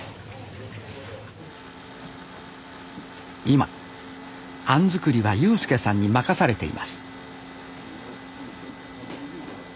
今あん作りは悠介さんに任されています